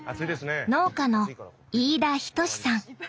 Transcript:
農家の飯田等さん。